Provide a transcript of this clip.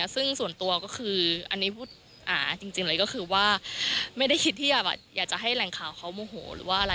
ซึ่งส่วนตัวคือแสดงจริงไม่ได้คิดจะให้แหล่งข่าวมโหหล